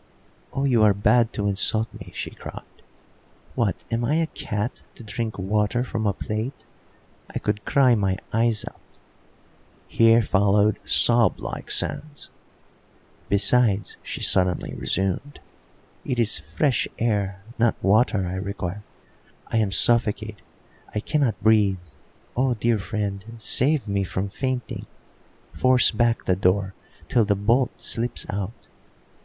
"Oh, you are bad to insult me!" she cried. "What, am I a cat to drink water from a plate? I could cry my eyes out"; here followed sob like sounds. "Besides," she suddenly resumed, "it is fresh air, not water, I require. I am suffocated, I cannot breathe. Oh, dear friend, save me from fainting. Force back the door till the bolt slips out."